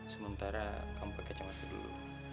sementara kamu pake cemata dulu